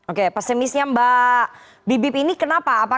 oke pesimisnya mbak bibip ini kenapa